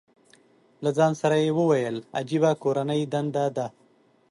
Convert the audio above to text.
له ځان سره یې وویل، عجیبه کورنۍ دنده ده.